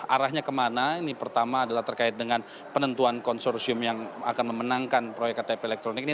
arahnya kemana ini pertama adalah terkait dengan penentuan konsorsium yang akan memenangkan proyek ktp elektronik ini